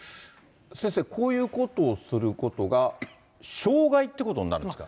先生、こういうことをすることが傷害ってことになるんですか。